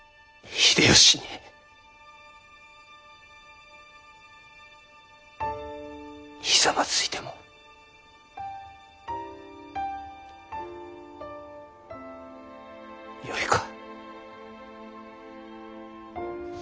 秀吉にひざまずいてもよいか？